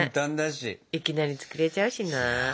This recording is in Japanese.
いきなり作れちゃうしな。